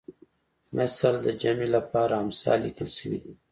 مثل د جمع لپاره امثال لیکل شوی دی